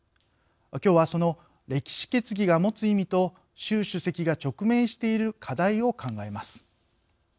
きょうはその歴史決議が持つ意味と習主席が直面している課題を考えます。